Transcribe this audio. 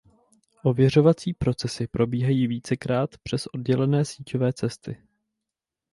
Ověřovací procesy probíhají vícekrát přes oddělené síťové cesty.